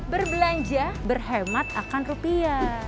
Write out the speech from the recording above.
berbelanja berhemat akan rupiah